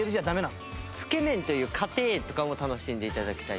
つけ麺という過程とかも楽しんで頂きたい。